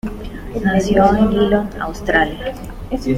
Nació en Geelong, Australia.